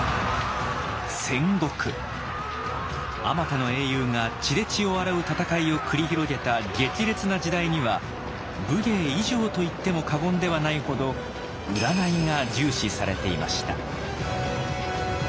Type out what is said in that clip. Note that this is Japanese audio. あまたの英雄が血で血を洗う戦いを繰り広げた激烈な時代には武芸以上と言っても過言ではないほど「占い」が重視されていました。